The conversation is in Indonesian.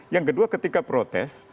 yang kedua ketika protes